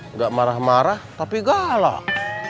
nggak marah marah tapi galak